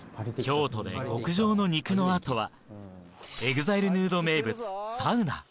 京都で極上の肉の後は『ＥＸＩＬＥＮＵＤＥ』名物サウナ